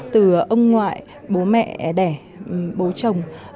từ ông ngoại bố mẹ đẻ bố chồng